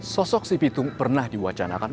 sosok si pitung pernah diwacanakan